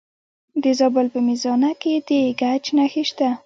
د زابل په میزانه کې د ګچ نښې شته.